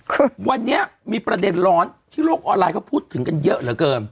คือวันนี้มีประเด็นร้อนที่โลกออนไลน์เขาพูดถึงกันเยอะเหลือเกิน